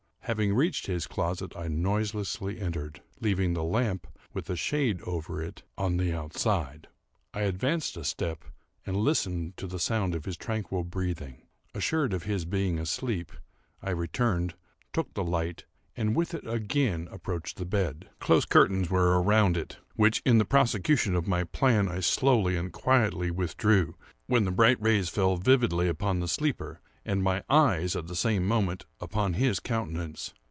Having reached his closet, I noiselessly entered, leaving the lamp, with a shade over it, on the outside. I advanced a step, and listened to the sound of his tranquil breathing. Assured of his being asleep, I returned, took the light, and with it again approached the bed. Close curtains were around it, which, in the prosecution of my plan, I slowly and quietly withdrew, when the bright rays fell vividly upon the sleeper, and my eyes, at the same moment, upon his countenance.